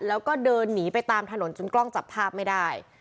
แล้วก็เดินหนีไปตามถนนจนกล้องจับภาพไม่ได้